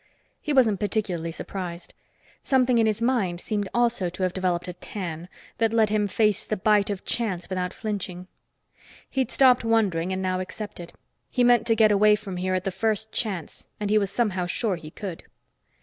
He wasn't particularly surprised. Something in his mind seemed also to have developed a "tan" that let him face the bite of chance without flinching. He'd stopped wondering and now accepted; he meant to get away from here at the first chance and he was somehow sure he could.